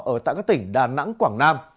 ở tại các tỉnh đà nẵng quảng nam